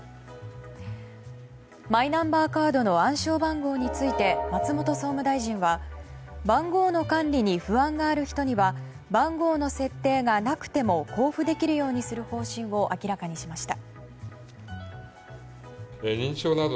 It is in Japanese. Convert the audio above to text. マイナンバーカードの暗証番号について松本総務大臣は番号の管理に不安がある人には番号の設定がなくても交付できるようにする方針を明らかにしました。